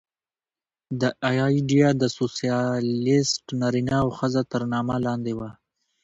دا ایډیا د سوسیالېست نارینه او ښځه تر نامه لاندې وه